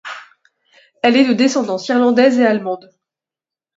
Elle est de descendance irlandaise et allemande.